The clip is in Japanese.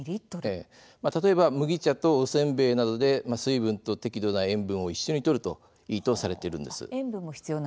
例えば麦茶とおせんべいなどで水分と適度な塩分を一緒にとるといいとされています。